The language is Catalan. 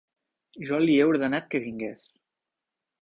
Jo li he ordenat que vingués.